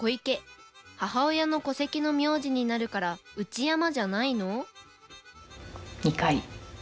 母親の戸籍の名字になるから内山じゃないの？